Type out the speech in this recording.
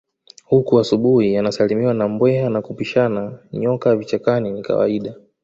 Huku asubuhi anasalimiwa na mbweha na kupishana nyoka vichakani ni kawaida